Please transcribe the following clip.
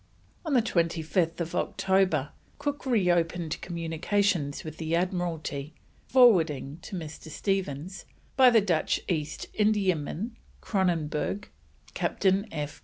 On 25th October Cook reopened communication with the Admiralty, forwarding to Mr. Stephens, by the Dutch East Indiaman Kronenberg, Captain F.